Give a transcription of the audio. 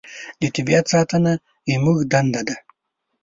د طبیعت ساتنه زموږ دنده ده.